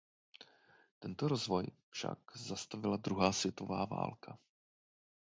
Tento rozvoj však zastavila druhá světová válka.